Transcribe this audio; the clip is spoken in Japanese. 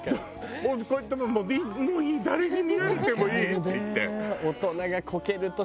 こうやってもういい誰に見られてもいいって言って。